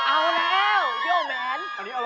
อันนี้อร่อยเนี่ย